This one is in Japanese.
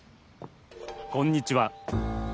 こんにちは。